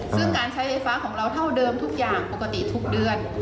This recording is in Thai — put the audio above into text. ซึ่งการใช้ไฟฟ้าของเราเท่าเดิมทุกอย่างปกติทุกเดือน